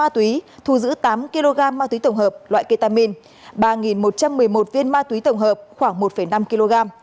thu giữ tám kg ma túy tổng hợp loại ketamin ba một trăm một mươi một viên ma túy tổng hợp khoảng một năm kg